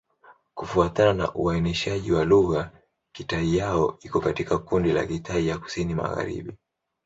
Kufuatana na uainishaji wa lugha, Kitai-Ya iko katika kundi la Kitai ya Kusini-Magharibi.